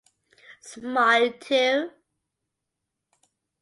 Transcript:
Smile to?